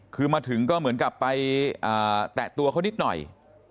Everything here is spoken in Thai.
คือมาถึงก็เหมือนกับไปแตะตัวเขานิดหน่อย